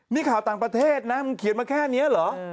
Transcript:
นี่ข่าวต่างประเทศนะมันเขียนมาแค่นี้เหรอ